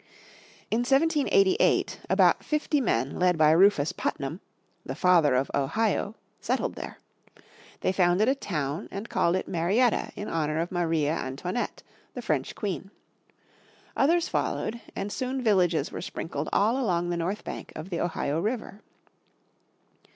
In 1788 about fifty men led by Rufus Putnam, "the Father of Ohio," settled there. They founded a town and called it Marietta in honour of Maria Antoinette, the French Queen. Others followed, and soon villages were sprinkled all along the north bank of the Ohio River.